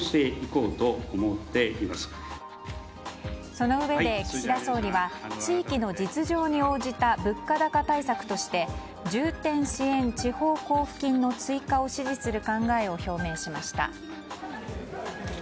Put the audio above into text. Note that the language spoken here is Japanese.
そのうえで岸田総理は、地域の実情に応じた物価高対策として重点支援地方交付金の追加を指示する考えを表明しました。